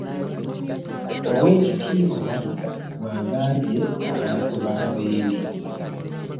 Oweekitiibwa Mayiga bw'agambye abantu ba Beene